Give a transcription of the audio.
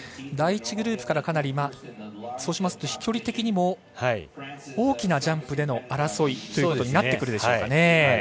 第１グループからかなり飛距離的にも大きなジャンプでの争いということになってくるでしょうか。